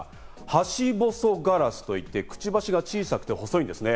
ハシボソガラスといって、くちばしが小さくて細いんですね。